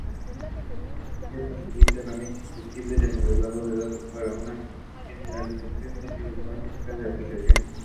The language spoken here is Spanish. G facilita herramientas flexibles de modelado de datos para una generación medio-automática de aplicaciones.